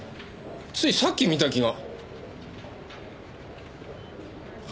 ついさっき見た気が。